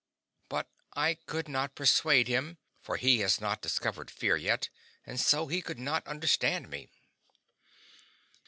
But I could not persuade him, for he has not discovered fear yet, and so he could not understand me.